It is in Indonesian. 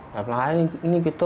nah ini gitu